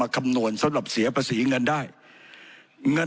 ผมจะขออนุญาตให้ท่านอาจารย์วิทยุซึ่งรู้เรื่องกฎหมายดีเป็นผู้ชี้แจงนะครับ